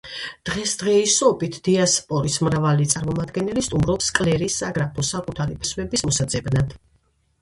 დღესდღეობით, დიასპორის მრავალი წარმომადგენელი სტუმრობს კლერის საგრაფოს საკუთარი ფესვების მოსაძებნად.